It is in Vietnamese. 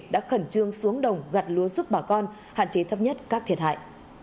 đã khẩn trương xuống đồng gặt lúa giúp bà con hạn chế thấp nhất các thiệt hại